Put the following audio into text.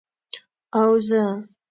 او زه،